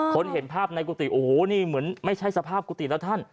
เห็นภาพในกุฏิโอ้โหนี่เหมือนไม่ใช่สภาพกุฏิแล้วท่าน